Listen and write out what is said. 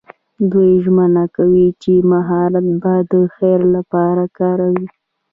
دوی ژمنه کوي چې مهارت به د خیر لپاره کاروي.